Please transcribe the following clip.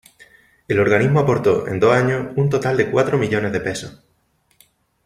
El organismo aportó, en dos años, un total de cuatro millones de pesos.